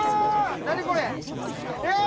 何これ⁉え！